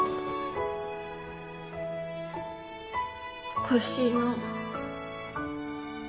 おかしいな。